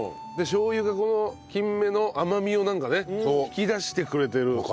しょう油がこの金目の甘みをなんかね引き出してくれてる。